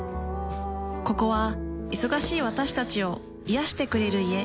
ここは忙しい私たちを癒してくれる家。